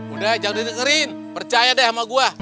udah jangan dengerin percaya deh sama gue